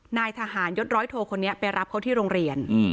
นายทหารยศร้อยโทคนนี้ไปรับเขาที่โรงเรียน